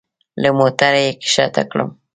له موټره يې کښته کړم.